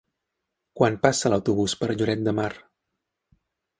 Quan passa l'autobús per Lloret de Mar?